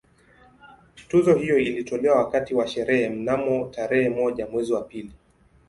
Tuzo hiyo ilitolewa wakati wa sherehe mnamo tarehe moja mwezi wa pili